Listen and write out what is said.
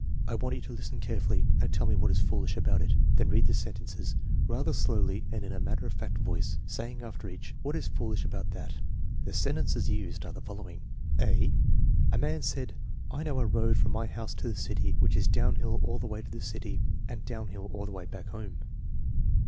I want you to listen carefully and tell me what is foolish about it." Then read the sentences, rather slowly and in a matter of fact voice, saying after each: "What is foolish about that? " The sentences used are the following: ( fl )"^ man said: *7 know a road from my house to ike city which is downhill all the way to the tity and downhill all the way back home.'"